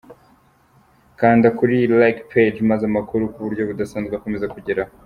Kanda kuri "Like Page" maze amakuru kuburyo budasanzwe akomeze akugereho.